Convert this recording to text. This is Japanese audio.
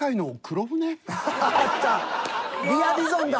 リア・ディゾンだ。